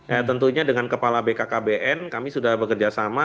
ya tentunya dengan kepala bkkbn kami sudah bekerja sama